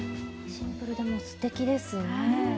シンプルでもすてきですね。